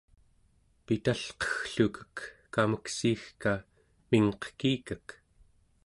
pitalqegglukek kameksiigka mingqekikek!